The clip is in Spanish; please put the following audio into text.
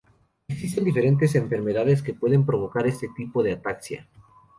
Existen diferentes enfermedades que pueden provocar este tipo de ataxia.